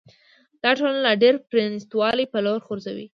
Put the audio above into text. دا ټولنه د لا ډېر پرانیست والي په لور خوځوي.